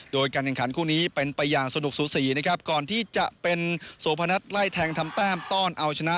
โดยการแข่งขันคู่นี้เป็นไปอย่างสนุกสูสีนะครับก่อนที่จะเป็นโสพนัทไล่แทงทำแต้มต้อนเอาชนะ